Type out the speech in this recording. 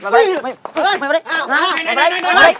tao sợ mày